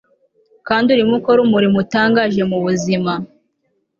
kandi urimo ukora umurimo utangaje mu buzima